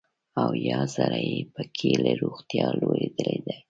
اویا زره یې پکې له روغتیا لوېدلي دي.